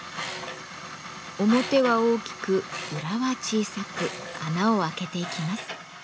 表は大きく裏は小さく穴を開けていきます。